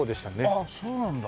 あっそうなんだ。